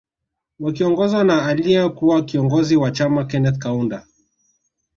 Wakiongozwa na aliye kuwa kiongozi wa chama Keneth Kaunda